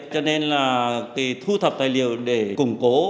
cho nên là cái thu thập tài liệu để củng cố